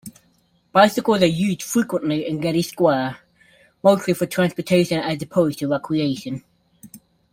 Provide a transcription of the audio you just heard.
Bicycles are used frequently in Getty Square, mostly for transportation as opposed to recreation.